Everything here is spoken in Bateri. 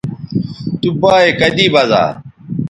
تو بایئے کدی بزا